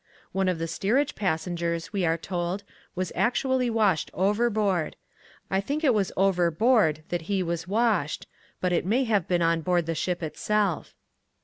One of the steerage passengers, we were told, was actually washed overboard: I think it was over board that he was washed, but it may have been on board the ship itself.